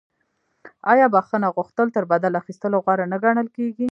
آیا بخښنه کول تر بدل اخیستلو غوره نه ګڼل کیږي؟